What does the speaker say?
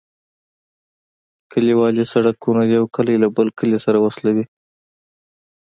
کليوالي سرکونه یو کلی له بل کلي سره وصلوي